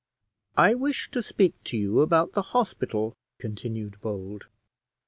"I wish to speak to you about the hospital," continued Bold.